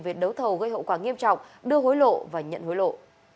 về đấu thầu gây hậu quả nghiêm trọng đưa hối lộ và nhận hối lộ